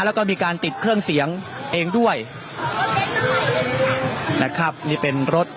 แล้วก็มีการติดเครื่องเสียงเองด้วยนะครับนี่เป็นรถ